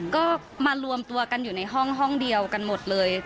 ก็มารวมตัวกันอยู่ในห้องห้องเดียวกันหมดเลย